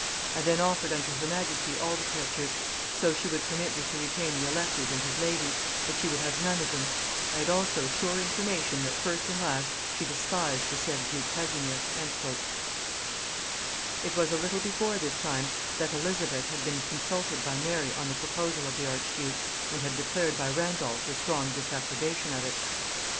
I then offered unto her majesty all the pictures, so she would permit me to retain the elector's and his lady's, but she would have none of them. I had also sure information that first and last she despised the said duke Casimir." It was a little before this time that Elizabeth had been consulted by Mary on the proposal of the archduke, and had declared by Randolph her strong disapprobation of it.